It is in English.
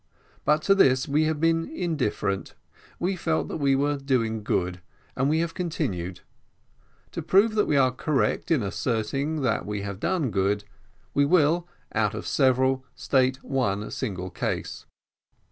But to this we have been indifferent; we felt that we were doing good, and we have continued. To prove that we are correct in asserting that we have done good, we will, out of several, state one single case.